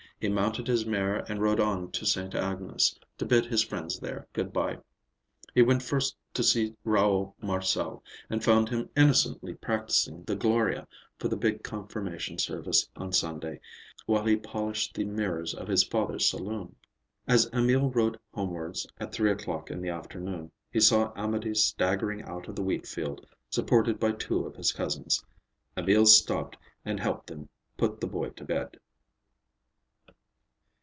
He mounted his mare and rode on to Sainte Agnes, to bid his friends there good bye. He went first to see Raoul Marcel, and found him innocently practising the "Gloria" for the big confirmation service on Sunday while he polished the mirrors of his father's saloon. As Emil rode homewards at three o'clock in the afternoon, he saw Amédée staggering out of the wheatfield, supported by two of his cousins. Emil stopped and helped them put the boy to bed.